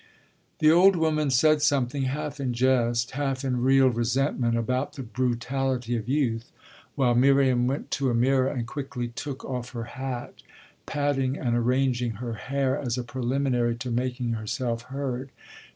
The old woman said something, half in jest, half in real resentment, about the brutality of youth while Miriam went to a mirror and quickly took off her hat, patting and arranging her hair as a preliminary to making herself heard.